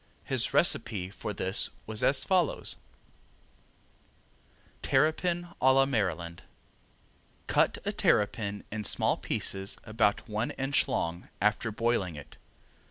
His recipe for this was as follows: Terrapin a La Maryland Cut a terrapin in small pieces, about one inch long, after boiling it.